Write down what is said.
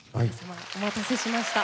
お待たせしました。